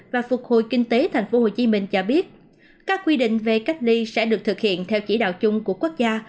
và phục hồi kinh tế tp hcm cho biết các quy định về cách ly sẽ được thực hiện theo chỉ đạo chung của quốc gia